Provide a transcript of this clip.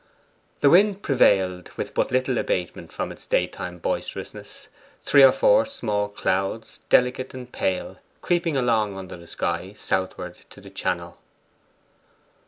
The wind prevailed with but little abatement from its daytime boisterousness, three or four small clouds, delicate and pale, creeping along under the sky southward to the Channel.